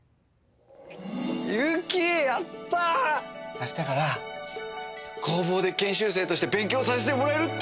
あしたから工房で研修生として勉強させてもらえるって。